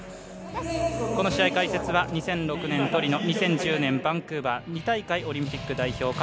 この試合、解説は２００６年トリノ２０１０年バンクーバー２大会オリンピック代表